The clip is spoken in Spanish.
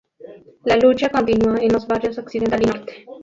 La lucha continúa en los barrios occidental y norte.